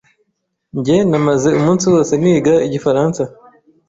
Njye namaze umunsi wose niga igifaransa.